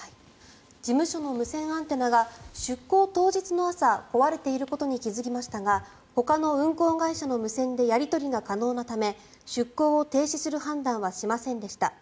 事務所の無線アンテナが出航当日の朝壊れていることに気付きましたがほかの運航会社の無線でやり取りが可能なため出航を停止する判断はしませんでした。